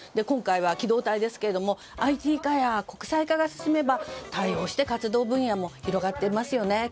今回は機動隊ですけれどもＩＴ化や国際化が進めば対応して活動分野も広がっていますよね。